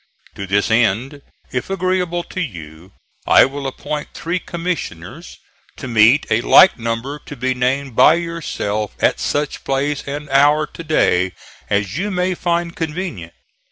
To this end, if agreeable to you, I will appoint three commissioners, to meet a like number to be named by yourself at such place and hour to day as you may find convenient.